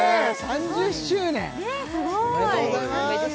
３０周年ねえすごいおめでとうございます